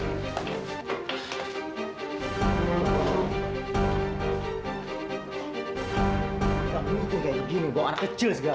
tidak penting seperti ini bawa anak kecil segala